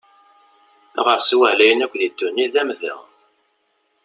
Aɣersiw aɛlayen akk deg ddunit d amdeɣ.